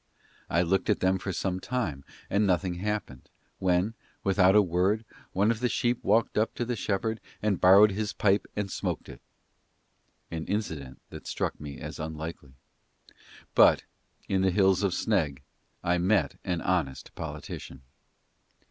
I looked at them for some time and nothing happened, when, without a word, one of the sheep walked up to the shepherd and borrowed his pipe and smoked it an incident that struck me as unlikely; but in the Hills of Sneg I met an honest politician.